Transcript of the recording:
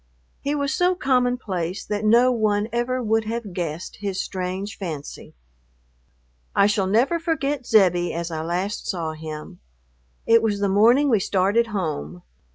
He was so common place that no one ever would have guessed his strange fancy.... I shall never forget Zebbie as I last saw him. It was the morning we started home.